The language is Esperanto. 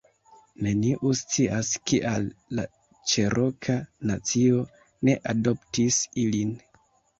Neniu scias kial la Ĉeroka nacio ne adoptis ilin